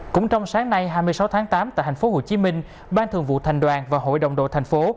cũng trong sáng nay hai mươi sáu tháng tám tại tp hcm ban thường vụ thành đoàn và hội đồng đội thành phố